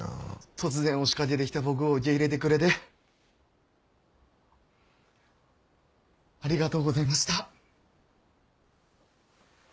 「突然押し掛けできた僕を受け入れでくれでありがとうございました」